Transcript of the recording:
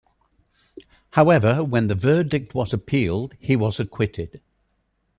However, when the verdict was appealed he was acquitted.